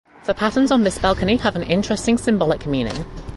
The patterns on this balcony have an interesting symbolic meaning.